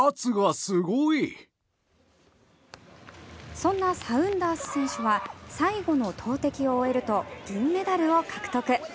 そんなサウンダース選手は最後の投てきを終えると銀メダルを獲得。